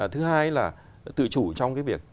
thứ hai là tự chủ trong việc